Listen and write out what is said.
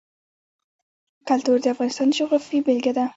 کلتور د افغانستان د جغرافیې بېلګه ده.